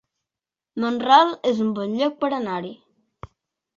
Mont-ral es un bon lloc per anar-hi